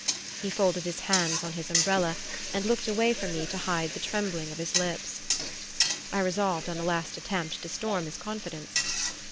He folded his hands on his umbrella and looked away from me to hide the trembling of his lip. I resolved on a last attempt to storm his confidence.